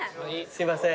すいません。